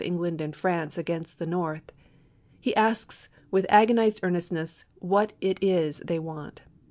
England and France against the North; he asks with agonized earnestness what it is they want.